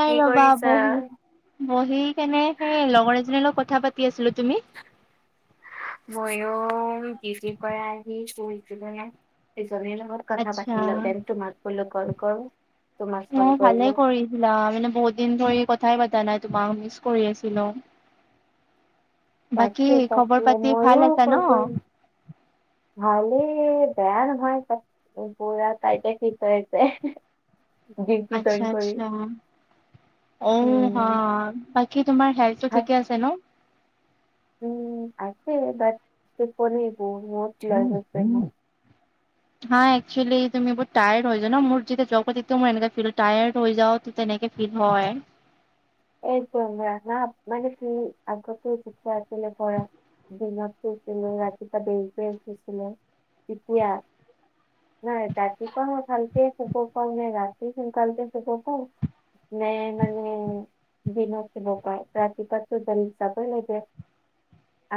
তাই কি ৰবা কৰিছা? বহি বহি কেনে সেই লগৰ এজনীৰ লগত কথা পাতি আছিলোঁ। তুমি? ময়ো ডিউটি পৰা আহি শুইছিলোঙে। সিজনীৰ লগত কথা আচ্ছা পাতিলো দেন তোমাক বোলো কল কৰোঁ। অঁ ভালে কৰিছিলা মানে বহুত দিন ধৰি কথাই পতা নাই তোমাক মিচ কৰি আছিলোঁ। তাকে খবৰ তাকে পাতি ভাল ময়ো আছা ন কল কৰিম ভলেই বেয়া নহয় এতিয়া। উম পুৰা তাইটে শি কৰিছে। [unintelligible] আচ্ছা আচ্ছা, অঁ উম হাঁ। কি তোমাৰ হেল্থটো ভাত ঠিকে আছে ন? উম, আছে বাত টোপনি বহুত [unintelligible] লৈ লৈছে ন। হাঁ একচুৱেলি তুমি বহুত টায়াৰ্ড হৈ যোৱা ন মোৰ যেতিয়া জবত একদম মোৰ এনেকুৱা ফিল টায়াৰ্ড হৈ যাঁও তো তেনেকে হিত হয়। এইটোমৰা ন মানে সি আগতে শিক্ষা আছিলে প়ৰা [unintelligible] দিনত শুইছিলো ৰাতিপুৱা দেৰিকৈ উঠিছিলো, তেতিয়া? নাই ৰাতিপুৱা মই ভালকে শুব পোৱা নাই ৰাতি সোনকালতে শুব ক [unintelligible] নে মানে দিনত দিব কয় ৰাতিপুৱাটো দেন যাবই লাগে।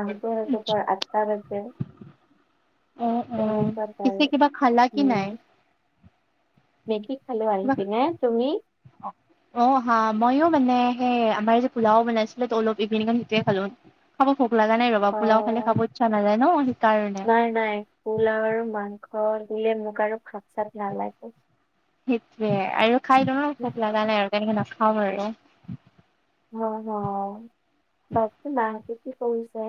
আহোঁতে ৰাতিপুৱা আঠটা বাজে। অ অ সমস্যাত পায় পিছে কিবা খালা কি নাই উম। মেগী খালো আহি পিনে, তুমি? অঁহ। অঁ হাঁ ময়ো মানে সেই আমাৰ যে পোলাও বনাইছিলে ত অলপ ইপিনে কন সেইটোৱে খালো। খাব ভোক লগা নাই ৰবা অ পোলাও খালে খাব ইচ্ছা নাযায় ন সেইকাৰণে [unintelligible] নাই নাই। পোলাও আৰু মাংস দিলে মোক আৰু ভাত চাত নালাগে। সেইটোৱে আৰু খাই তোমাৰ ভোক লগা নাই আৰু তেনেকে নাখাও আৰু। মও নাখাওঁ, বাকী মাহঁতি কি কৰিছে?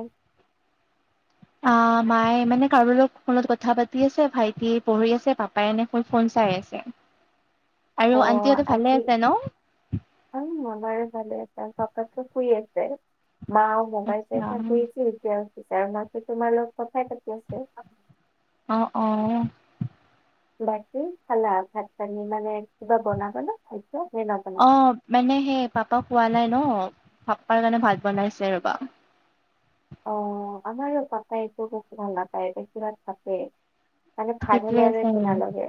আহ মায়ে মানে কাৰোবাৰ লগত ফোনত কথা পাতি আছে, ভাইটিয়ে পঢ়ি আছে, পাপায়ে এনে ফোন ফোন চাই আছে। অ আৰু আন্টিহঁতো ভালে আছে ন? অ আমাৰো ভাল আছে, পাপাটো শুই আছে, মা [unintelligible] মোবাইল আচ্ছা চাই-চাই শুই আছিলো আৰু মাতটো তোমাৰ লগত কথাই পাতি আছে [unintelligible] অঁ অঁহ। বাকী খালা ভাত পানী মানে কিবা বনাবা নে এতিয়া নে নবনোৱা? অ মানে সে পাপা খোৱা নাই ন, পাপাৰ কাৰণে ভাত বনাইছে ৰবা। অ আমাৰো পাপাইও একো ভাল নাপায় বেছিভাগ ভাতে [unintelligible] মানে ভাত সেইটোৱে হ'লে আৰু আছে একো নালাগে।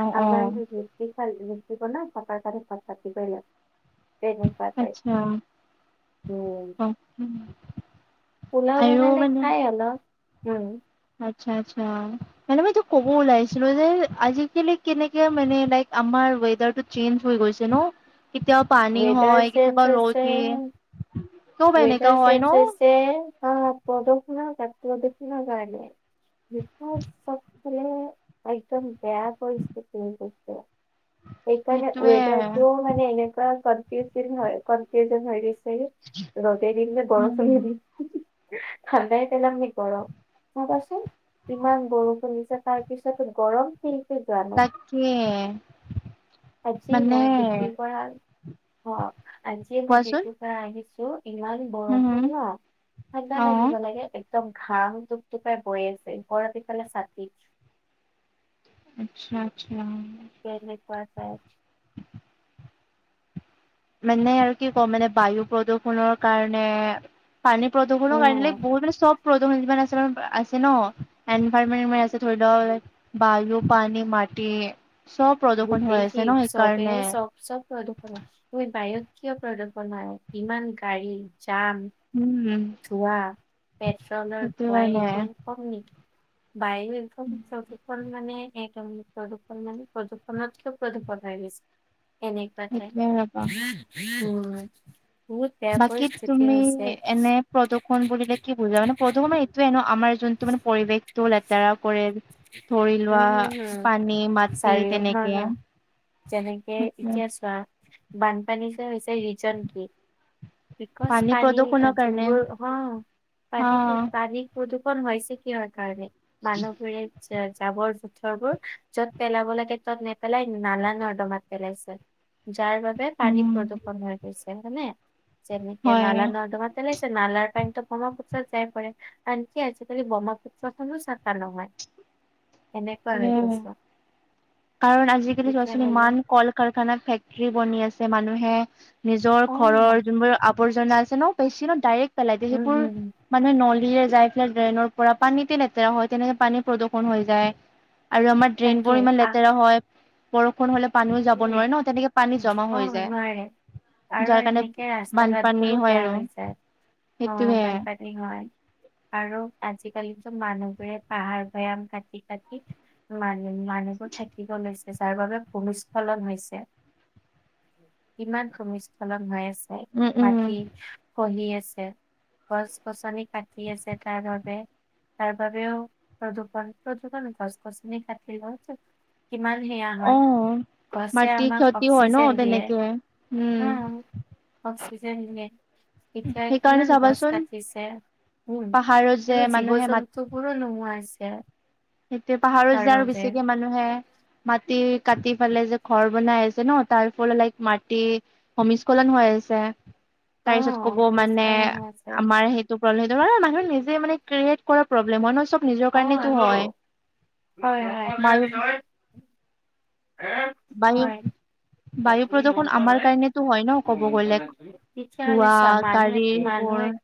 অ অ আমাৰ নো কি? [unintelligible] কি বনাৱ পাপাৰ কাৰণে ভাত পাতিব‌ই লাগিব [unintelligible] তেনেকুৱা টাইপ, আচ্ছা অও। উম। পোলাও বনালে খাই অলপ, উম। আচ্ছা আচ্ছা মানে মই এইটো ক'ব ওলাইছিলো যে আজিকালি কেনেকে মানে লায়েক আমাৰ ৱেডাৰটো চেঞ্জছ হৈ গৈছে ন? কেতিয়া পানী ৱেডাৰ হয় চেঞ্জ কেতিয়াবা ৰ'দ হৈছে। দিয়ে। কিয় বা এনেকা ৱেডাৰ হয় ন চেঞ্জ হৈছে, হা প্ৰদূষণো তাতকৈ অধিক প্ৰদূষণৰ কাৰণে [unintelligible] বিপদ চব ফালে একদম বেয়া পৰিস্থিতি হৈ গৈছে সেইকাৰণে সেইটোৱে ৱেডাৰটো মানে এনেকুৱা কনফিউজ হয়, কনফিউজন হৈ গৈছে ৰ'দেই দিম নে উম বৰষুণেই দিম, ঠাণ্ডাই পেলাম নে গৰম চাবাচোন ইমান বৰষুণ দিছে তাৰপিছতো গৰম কি তাকে আজি মানে মই ডিগ্ৰী পৰা অ আজিয়ে মই কোৱাচোন ডিগ্ৰী পা আহিছো ইমান হম বৰষুণ হম ন, ঠাণ্ডা অ লাগিব লাগে। একদম ঘাম টুপটুপাই পৰি আছে, ওপৰত এফালে ছাতি আচ্ছা-আচ্ছা কেনেকুৱা টাইপ মানে আৰু কি কম মানে বায়ু প্ৰদূৰষণৰ কাৰণে পানী প্ৰদূষণ অ কাৰণে বহুতৰে চব প্ৰদূষণমান যিমান আছে বাৰু আছে ন এনৰমেটে আছে ধৰি লওক [unintelligible] বায়ু, পানী, মাটি চব প্ৰদূষণ হৈ গোটেই আছে সেই ন চবে সেইকাৰণে চব-চব প্ৰদূষণ ওইত বায়ুত কিয় প্ৰদূষণ হয়, ইমান গাড়ী জাম উম ধোঁৱা পেট্ৰলৰ সেইটো ধোৱাই কাৰণে সেইবোৰ কম নি? বায়ু একদম প্ৰদূষণ মানে এইকাৰণে প্ৰদূষণ মানে প্ৰদূষনতকেও প্ৰদূষণ হৈ গৈছে এনেকুৱা যে সেইটোৱে ৰবা [unintelligible] উম বহুত বেয়া বাকী পৰিস্থিতি তুমি হৈছে। এনে প্ৰদূষণ বুলিলে কি বুজা মানে প্ৰদূষণ মানে এইটোৱেই ন আমাৰ যোনটো মানে পৰিৱেশটো লেতেৰা কৰে ধৰি উম লোৱা হম হম পানী, মাটি চাৰিও হা হা তেনেকে। যেনেকে এতিয়া চোৱা বানপানী যে হৈছে ৰিজন কি বিকজ পানী প্ৰদূষণৰ কাৰণে যোনবোৰ অ পানীটোক অ পানী প্ৰদূষণ হৈছে কিহৰ কাৰণে মানুহবোৰে জাবৰ-জোথৰবোৰ য'ত পেলাব লাগে তত নেপেলাই নলা-নৰ্দমাত পেলাইছে। যাৰ বাবে পানী উম, প্ৰদূষণ হৈ গৈছে হয়নে যেনেকে হয় নালা নৰ্দমাত পেলাইছে নালাৰ পানীত ব্ৰহ্মপুত্ৰত যাই পৰে আনকি আজিকালি ব্ৰক্ষ্মপুত্ৰ খনো চাফা নহয়। এনেকুৱা হৈ সেয়াই। গৈছে। কাৰণ আজিকালি চোৱাচোন তেতিয়াহলে ইমান কল কাৰখানা ফেক্টৰী বনি আছে মানুহে, নিজৰ অ উম ঘৰৰ যোনবোৰ আৱৰ্জনা আছে ন বেছি ন ডাইৰেক্ট পেলাই দিয়ে হম সেইবোৰ হম, মানে নলীয়েৰে যাই পেলে ড্ৰেইনৰ পৰা পানীতে লেতেৰা হয় তেনেকে পানীৰ প্ৰদূষণ হৈ যায়। আৰু আমাৰ ড্ৰেইন তাকে বোৰ ইমান আহ লেতেৰা হয়। বৰষুণ হলে পানীও যাব নোৱাৰে ন তেনেকে পানী জমা অ হৈ নোৱাৰে যায়। আৰু যাৰ কাৰণে এনেকে ৰাস্তা বানপানী ঘাটবোৰো হয় বেয়া আৰু হৈ যায়। অ', সেইটোহে [unintelligible] হয় আৰু আজিকালিতো মানুহবোৰে পাহাৰ ভৈয়াম কাটি কাটি মানুহ মানুহবোৰ ঠাকিব লৈছে যাৰ বাবে ভূমি স্খলন হৈছে কিমান ভূমিস্খলন হৈ আছে উম উম মাটি খহি আছে গছ গছনি কাটি আছে তাৰ বাবে তাৰ বাবেও প্ৰদূষন প্ৰদূষন গছ গছনি কাটিলেও টো কিমান সেয়া অ হয় গছে মাটি আমাক ক্ষতি হয় ন অক্সিজেন দিয়ে তেনেকে হো উম অক্সিজেন দিয়ে। এতিয়া সেইকাৰণে কিমান গছ চাবাচোন কাটিছে উম পাহাৰত যে আৰু জীৱ মানুহে মাত জন্তু বোৰো নোহোৱা হৈছে। সেইটোয়ে পাহাৰো তাৰ যে আৰু বাবে বেছিকে মানুহে, মাটি -কাটি পেলাই যে ঘৰ বনাই আছে ন' তাৰ ফল লাইক মাটি। ভূমিস্খলন হৈ আছে অ তাৰপিছত কব মানে, ভূমিস্খলন হৈ আছে আমাৰ সেই। প্ৰব্লেম হয় মানুহে নিজে মানে ক্ৰিয়েট কৰা প্ৰব্লেম মানুহ চব নিজৰ কাৰণেতো হয়। বায়ু হয়-হয়। বায়ু। হয় বায়ু প্ৰদূষণ আমাৰ কাৰণেতো হয় ন' ক'ব গলে তেতিয়াহ'লে ধোৱা চোৱা মানুহ গাড়ী সেইবোৰ। মানুহে [inaudible]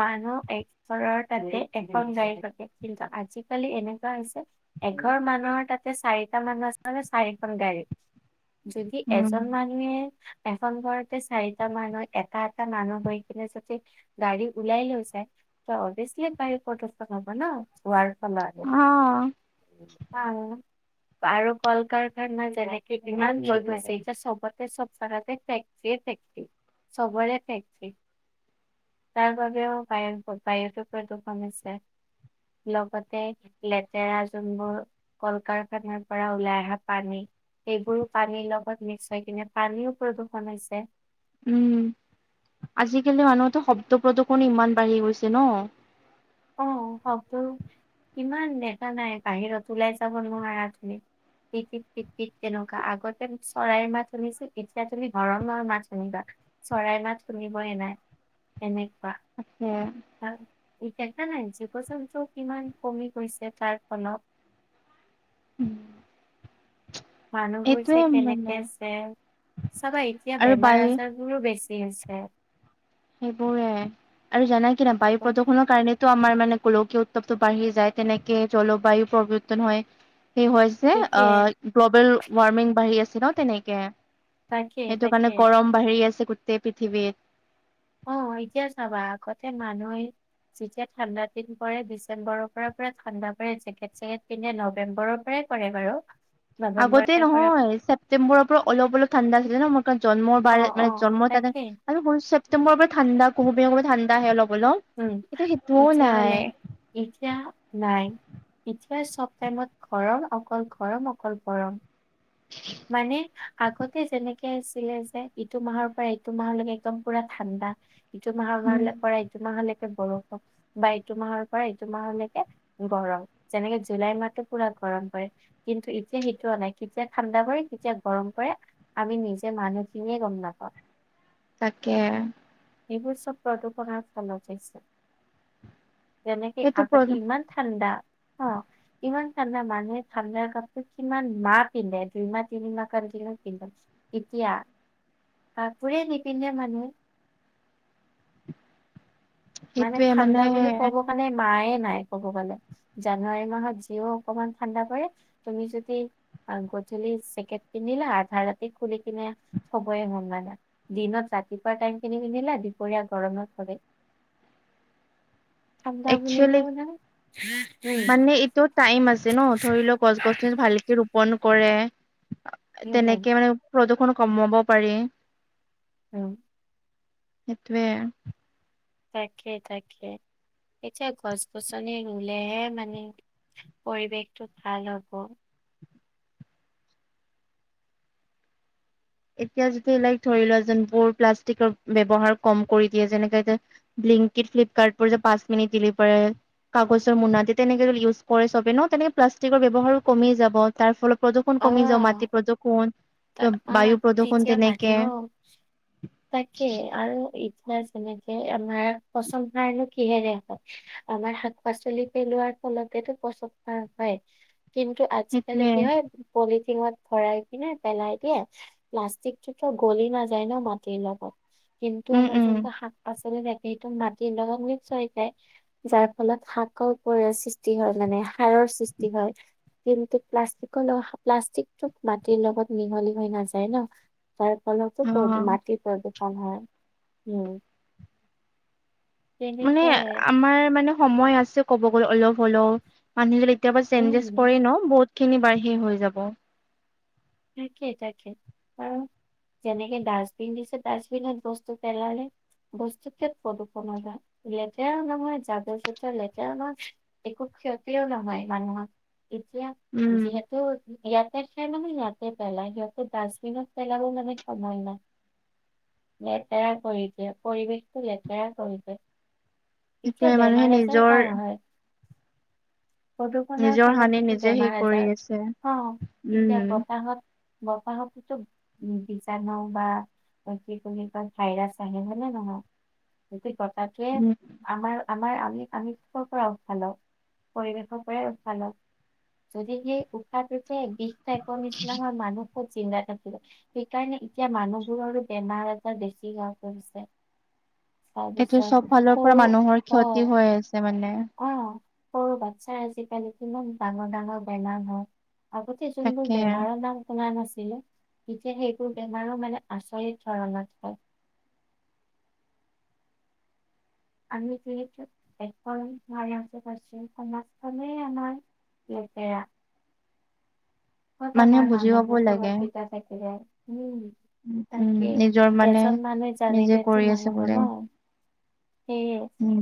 মানুহ এক ঘৰৰ তাতে এখন গাড়ী থাকে, কিন্তু আজিকালি এনেকুৱা হৈছে এঘৰ মানুহৰ তাতে চাৰিটা মানুহ আছে। মানে চাৰিখন গাড়ী যদি উম এজন মানুহে। এখন ঘৰতে চাৰিটা মানুহ এটা এটা মানুহ হৈ কিনে যদি। গাড়ী ওলাই লৈ যায়, ত অভিয়েচলি বায়ু প্ৰদূষণ হব ন। [inaudible] ফালা অ আহ আৰু কল -কাৰখানা যেনেকে কিমান হৈ গৈ আছে। এতিয়া চবতে চব জাগাতে ফেক্টৰী এ ফেক্টৰী। চবৰে ফেক্টৰী। তাৰ বাবেও বায়ুৰ বায়ুতো প্ৰদূষণ আছে। লগতে লেতেৰা যোনবোৰ কল কাৰখানাৰ পৰা ওলাই অহা পানী সেইবোৰো পানীৰ লগত মিক্স হৈ কিনে পানীও প্ৰদূষণ হৈছে। উম আজিকালি মানুহতো শব্দ প্ৰদূষণো ইমান বাঢ়ি গৈছে ন'। অ' শব্দ ইমান দেকা নাই বাহিৰত ওলাই যাব নোৱাৰা তুমি। পিত- পিত- পিত- পিত তেনেকুৱা আগতে চৰাইৰ মাছ শুনিছো এতিয়া তুমি হৰনৰ মাত শুনিবা। চৰাই মাত শুনি বই নাই এনেকুৱা। তাকে। হয়। দেখা নাই জীৱ জন্তু কিমান কমি গৈছে তাৰ ফলত। উম। মানুহবোৰ যে মানে কেনেকে আছে চাবা এতিয়া আৰু বেমাৰ বায়ু আজাৰ। বোৰো বেছি হৈছে। সেইবোৰে আৰু জানা কি না বায়ু প্ৰদূষণৰ কাৰণে। টো আমাৰ মানে গোলকীয় উত্তৱতটো বাঢ়ি যায় তেনেকে জলবায়ু প্ৰৱৰ্তন হয়। তাকে গ্ল'বেল ৱাৰ্মিং বাঢ়ি আছে ন তেনেকে তাকে সেইটো কাৰণে তাকে গৰম। বাঢ়ি আছে গোটেই পৃথিৱীত। অ' এতিয়া চাবা আগতে মানুহে যেতিয়া ঠাণ্ডা দিন পৰে, ডিচেম্বৰৰ পৰা পৰা ঠাণ্ডা পৰে জেকেট চেকেট পিন্ধে নৱেম্বৰৰ পৰা কৰে বাৰু। আগতে নৱেম্বৰে কৰে নহয় ছেপ্তেম্বৰৰ পৰা অলপ অলপ ঠাণ্ডা আছিলে। জন্মৰ বাৰে অ', মান অ', জন্ম তাতে তাকেই আৰু ছেপ্তেম্বৰৰ পৰা ঠাণ্ডা কুহুমীয়া ঠাণ্ডা আহে অলপ অলপ উম, এতিয়া সেইটোও তেতিয়াহ'লে নাই। এতিয়া নাই এতিয়া চব টাইমত গৰম অকল গৰম অকল গৰম। মানে আগতে যেনেকে আছিলে যে ইটো মাহৰ পৰা এইটো মাহলৈকে একদম পুৰা ঠাণ্ডা। ইটো মাহ উম পৰা ইটো মাহলৈকে বৰষুণ। বা এইটো মাহৰ পৰা এইটো মাহলৈকে গৰম যেনেকে জুলাই মাহটো পুৰা গৰম কৰে। কিন্তু এতিয়া সেইটো নাই কেতিয়া। ঠাণ্ডা পৰে কেতিয়া গৰম কৰে আমি নিজে মানুহ খিনিয়ে গম নাপাওঁ। তাকে, সেইবোৰ চব প্ৰদূৰ্ষণৰ ফলত হৈছে যেনেকে সেইটো প্ৰ আগতে ইমান। ঠাণ্ডা অ' ইমান ঠাণ্ডা মানুহে ঠাণ্ডা কাপোৰ কিমান মাহ পিন্ধে দুই মাহ তিনিমাহ কাৰ পিন্ধে। এতিয়া কাপোৰে নিপিন্ধে মানুহে। মানে ঠাণ্ডা বুলি ক'ব কাৰণে মায়ে নাই ক'ব গ'লে। জানুৱাৰী মাহত যিও অকমান ঠাণ্ডা পৰে তুমি যদি গধূলি চেকেট পিন্ধিলা আধা ৰাতি খুলি কিনে খবয়ে মন মানা দিনত ৰাতিপুৱা টাইম কিনি পিন্ধিলে দুপৰীয়া গৰমত থলে। ঠাণ্ডা একচুৱেলি বুলিও নাই। মানে এইটো টাইম আছে ন ধৰি লও গছ-গছনি ভালকে ৰোপন কৰে। উম উম উম তেনেকে মানে প্ৰদূৰ্ষণ কমাব পাৰি। উম। সেইটোয়ে। তাকে, তাকে। এতিয়া গছ গছনি ৰুলেহে মানে পৰিৱেশটো ভাল হ'ব। এতিয়া যেতিয়া লাইক ধৰি লোৱা যেন বোৰ প্লাষ্টিকৰ ব্যৱহাৰ কম কৰি দিয়ে যেনেকে ব্লিংকিড ফ্লিপকাৰ্ট বোৰ যে পাঁচ মিনিট দিল পাৰে। কাগজৰ মুনা দি তেনেকে ইউজ কৰে চবে ন তেনেকে প্লাষ্টিকৰ ব্যবহাৰো কমেই যাব। তাৰ ফল প্ৰদূষণ কমি যাওঁ মাটি প্ৰদূষণ। ত অ বায়ু প্ৰদূষণ তেতিয়া মাতি তেনেকে হ তাকে আৰু যেনেকে আমাৰ পচন্দ নাৰলে কিহে দে হয়। আমাৰ শাক পাচলি পেলোৱাৰ ফলতেো প্ৰচন‌ সাৰ‌ হয়। কিন্তু আজিকালি সেইটোয়ে কি হয় পলিথিনত ভৰাই কিনে পেলাই দিয়ে প্লাষ্টিকটোতো গলি নাযায় ন মাটিৰ লগত কিন্তু উম আমাৰ উম শাক পাচলি থাকে সেটো মাটি লগত মিক্স হৈ যায়। যাৰ ফলত শাকৰ পৰিৰ সৃষ্টি হয় মানে সাৰৰ সৃষ্টি হয়। কিন্তু প্লাষ্টিকৰ লগ প্লাষ্টিকটোক মাটিৰ লগত মিহলি হৈ না যায় ন তাৰ ফলততো অ মাটিত প্ৰদূষণ হয় উম। মানে তেনেকুৱাই আমাৰ মানে সময় আছে কব গ'লে অলপ হলও। মানুহ যদি এতিয়াৰ পৰা চেঞ্জেছ উম, কৰেই ন বহুত খিনি বাহিৰ হৈ যাব। তাকেই তাকেই। আৰু যেনেকে ডাষ্টবিন দিছে ডাষ্টবিন বস্তু পেলালে বস্তুত প্ৰদূষণ যায় লেতেৰা নহয় যাব লেতেৰা নহয় একো ক্ষতিও নহয় মানুহক এতিয়া উম, যিহেটো ইয়াতে শেষ নহয় জানো! পেলাই দিয়ক ডষ্টবিন পেলাবলে সময় নাই। লেতেৰা কৰি দিয়ে পৰিৱেশটো লেতেৰা কৰি দিয়ে। এতিয়া সেইটোয়ে মানুহে বেমাৰ আজাৰ নিজৰ কাৰ হয়? প্ৰদূষণৰ নিজৰ ফলত হানি বছি নিজে সেই বেমাৰ কৰি আজাৰ আছে। হ এতিয়া উম বতাহত বতাহত টোত বীজাণু বা কি বুলি কয় ভাইৰাছ আহে হয় নে নহয়, কথাটোৱে উম আমাৰ আমাৰ আমি আমি কৰ পৰা উশা লও পৰিৱেশৰ পৰাই উশা লও। যদি সেই উশাহটোতে বিষ টাইপৰ নিচিনা হয় মানুহ কত জিন্দা থাকিব। সেইকাৰণে এতিয়া মানুহবোৰৰো বেমাৰ আজাৰ বেছি হৈ পৰিছে। এইটো চব ফালৰ পৰা সৰু মানুহৰ অ ক্ষতি হৈ আছে মানে। অ সৰু বাচ্ছাৰ আজিকালি কিমান ডাঙৰ ডাঙৰ বেমাৰ হয়। আগতে যোনবোৰ তাকে বেমাৰৰ নাম শুনা নাছিলো তেতিয়া সেইবোৰ বেমাৰো মানে আচৰিত ধৰণত হয়। আমি যিহেতু এখন সমাজত আছোঁ সমাজখনে আমাৰ লেটেৰা। [unintelligible] মানুহে বুজি পাব লাগে। উম তাকে নিজৰ মানে এজন মানুহে নিজে জানিলেতো কৰি আছে নহব বোলে ন' সেয়ে। উম,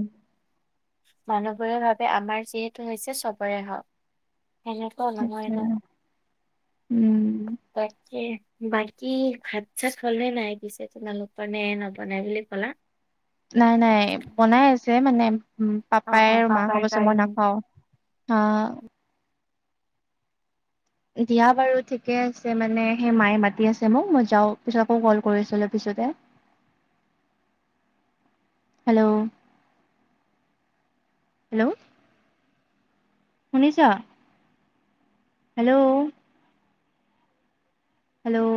মানু্হবোৰে ভাৱে আমাৰ যিহেতু হৈছে চবৰে হওক হেনে- ত' নহয় সেইটোৱে ন'। উম তাকে বাকী ভাত- চাত হল নে নাই পিছে তোমালোকৰ নে নবনাই বুলি ক'লা? নাই- নাই বনাই আছে মানে অ', পাপাই অ', আৰু মা পাপাই খাবজে মই কাৰণে নাখাওঁ। আ দিয়া বাৰু ঠিকে আছে মানে সেই মায়ে মাতি আছে মোক মই যাওঁ পিছত আকৌ ক'ল কৰি আছোঁ অলপ পিছতে। [inaudible] হেল্ল', হেল্ল', শুনিছ? Hello, hello,